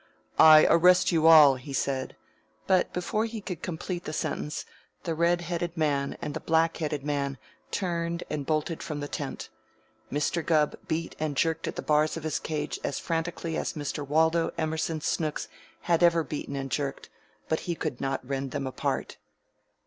"I arrest you all," he said, but before he could complete the sentence, the red headed man and the black headed man turned and bolted from the tent. Mr. Gubb beat and jerked at the bars of his cage as frantically as Mr. Waldo Emerson Snooks had ever beaten and jerked, but he could not rend them apart.